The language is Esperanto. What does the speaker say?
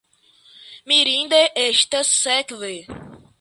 Mirinde estas, sekve.